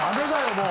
もう。